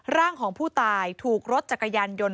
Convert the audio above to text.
ร่างของผู้ตายถูกรถจักรยานยนต์